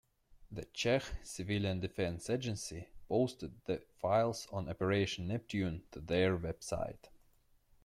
The Czech civilian defence agency posted the files on Operation Neptune to their website.